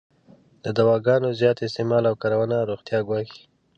د دواګانو زیات استعمال او کارونه روغتیا ګواښی.